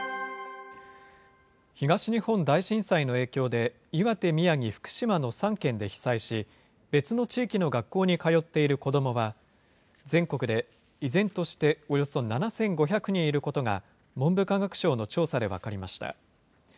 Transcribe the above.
東日本大震災の影響で、岩手、宮城、福島の３県で被災し、別の地域の学校に通っている子どもは、全国で依然として、およそ７５００人いることが、文部科学省の調査で分かりました。